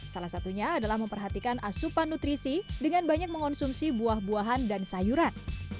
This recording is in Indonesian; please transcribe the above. salah satunya adalah memperhatikan asupan nutrisi dengan banyak mengonsumsi buah buahan dan sayuran